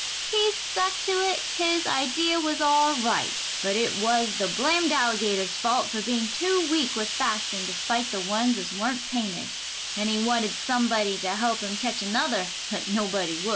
"He stuck to it his idea was all right, but it was the blamed alligator's fault for being too weak with fasting to fight the ones as weren't painted, and he wanted somebody to help him catch another, but nobody would."